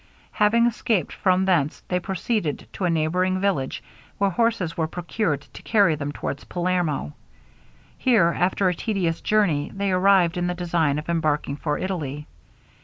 Having escaped from thence they proceeded to a neighbouring village, where horses were procured to carry them towards Palermo. Here, after a tedious journey, they arrived, in the design of embarking for Italy.